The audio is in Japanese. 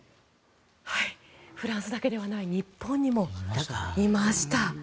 フランスだけではなく日本にもいました。